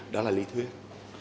đó là lý thuyết